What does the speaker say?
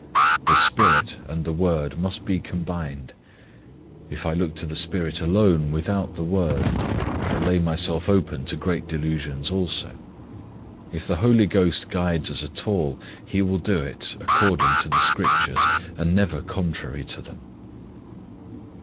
The Spirit and the Word must be combined. If I look to the Spirit alone without the Word, I lay myself open to great delusions also. If the Holy Ghost guides us at all, He will do it according to the Scriptures and never contrary to them.